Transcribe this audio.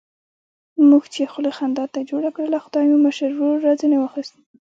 موږ چې خوله خندا ته جوړه کړله، خدای مو مشر ورور را ځنې واخیست.